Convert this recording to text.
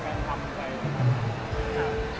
ต้องถามเลยลูก